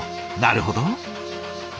なるほど。